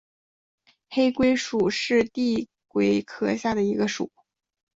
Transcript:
黑龟属是地龟科下的一个属。